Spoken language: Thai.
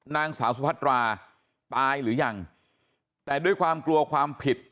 นางสาวสุพัตราตายหรือยังแต่ด้วยความกลัวความผิด